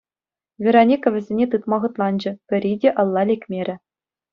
Вероника вӗсене тытма хӑтланчӗ, пӗри те алла лекмерӗ.